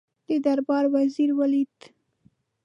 د دربار وزیر ولید.